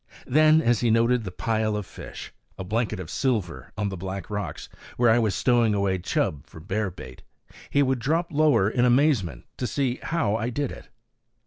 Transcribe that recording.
Then, as he noted the pile of fish, a blanket of silver on the black rocks, where I was stowing away chub for bear bait, he would drop lower in amazement to see how I did it.